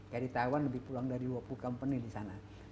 dari taiwan lebih pulang dari dua puluh company di sana